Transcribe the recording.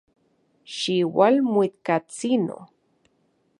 Xiualmuikatsino.